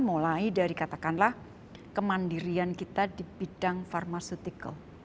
mulai dari katakanlah kemandirian kita di bidang pharmaceutical